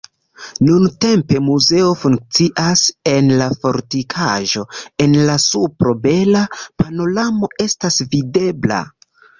Nuntempe muzeo funkcias en la fortikaĵo, en la supro bela panoramo estas videbla.